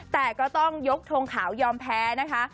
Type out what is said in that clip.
แต่ก็ต้องยกทงขาวยอมแพ้นะคะ